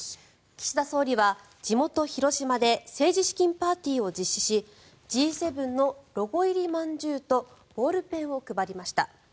岸田総理は地元・広島で政治資金パーティーを実施しＧ７のロゴ入りまんじゅうとボールペンを配りました。